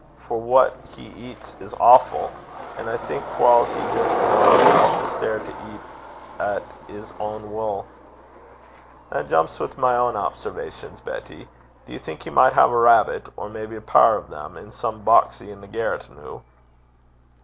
For what he eats is awfu'. An' I think whiles he jist gangs up the stair to eat at 's ain wull.' 'That jumps wi' my ain observations, Betty. Do ye think he micht hae a rabbit, or maybe a pair o' them, in some boxie i' the garret, noo?'